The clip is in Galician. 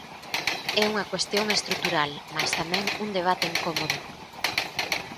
É unha cuestión estrutural mais tamén un debate incómodo.